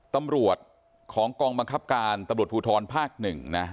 ตำรวจของกองบังคับการตำรวจภูทรภาคหนึ่งนะ